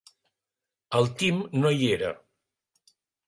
El Tim no hi era.